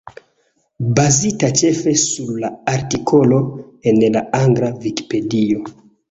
Bazita ĉefe sur la artikolo en la angla Vikipedio.